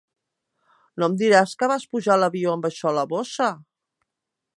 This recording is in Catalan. No em diràs que vas pujar a l'avió amb això a la bossa?